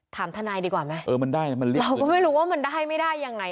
ถามทนายดีกว่าไหมเออมันได้นะมันเรียกเราก็ไม่รู้ว่ามันได้ไม่ได้ยังไง